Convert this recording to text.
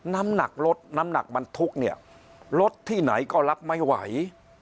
น้ำหนักรถน้ำหนักบรรทุกเนี่ยรถที่ไหนก็รับไม่ไหว